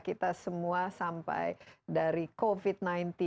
kita semua sampai dari covid sembilan belas